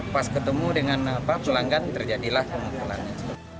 pas ketemu dengan pelanggan terjadilah pemukulannya